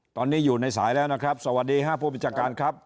ตอนนี้อยู่ในสายแล้วนะครับสวัสดีครับผู้บัญชาการครับ